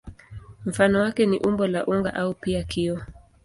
Mfano wake ni umbo la unga au pia kioo.